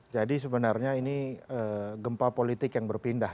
jadi sebenarnya ini gempa politik yang berpindah